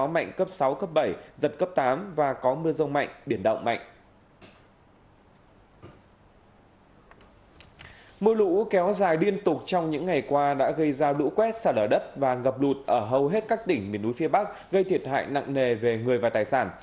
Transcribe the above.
mưa lũ kéo dài liên tục trong những ngày qua đã gây ra lũ quét xả lở đất và ngập lụt ở hầu hết các tỉnh miền núi phía bắc gây thiệt hại nặng nề về người và tài sản